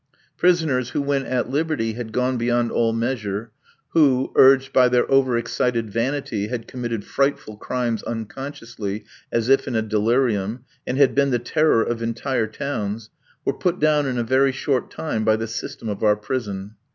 Prisoners who when at liberty had gone beyond all measure, who, urged by their over excited vanity, had committed frightful crimes unconsciously, as if in a delirium, and had been the terror of entire towns, were put down in a very short time by the system of our prison.